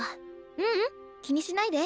ううん気にしないで。